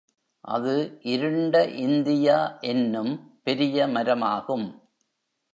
அது இருண்ட இந்தியா என்னும் பெரிய மரமாகும்.